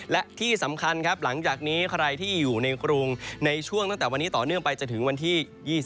และที่สำคัญครับหลังจากนี้ใครที่อยู่ในกรุงในช่วงตั้งแต่วันนี้ต่อเนื่องไปจนถึงวันที่๒๒